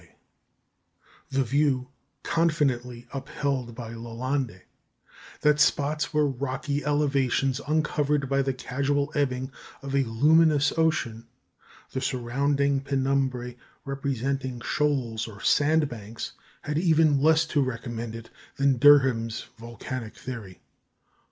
" The view, confidently upheld by Lalande, that spots were rocky elevations uncovered by the casual ebbing of a luminous ocean, the surrounding penumbræ representing shoals or sandbanks, had even less to recommend it than Derham's volcanic theory.